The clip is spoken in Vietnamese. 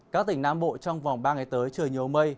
các tỉnh nam bộ trong vòng ba ngày tới trời nhiều mây